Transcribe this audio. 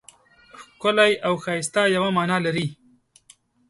ښکلی او ښایسته یوه مانا لري.